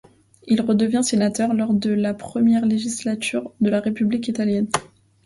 Il redevient sénateur lors de la Ire législature de la République italienne.